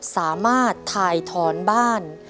สามารถถ่ายถอนบ้าน